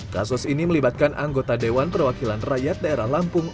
kasus ini melibatkan anggota dewan perwakilan rakyat daerah lampung